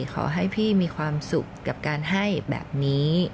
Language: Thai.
ขอให้พี่มีความสุขกับการให้แบบนี้